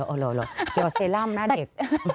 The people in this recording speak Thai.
โอ้โหเกี่ยวกับเซรั่มหน้าเด็ก